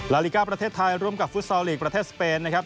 นาฬิกาประเทศไทยร่วมกับฟุตซอลลีกประเทศสเปนนะครับ